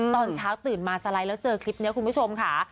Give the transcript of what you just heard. ตอนเช้าตื่นมาสไลด์แล้วเจอคลิปนี้คุณผู้ชมค่ะ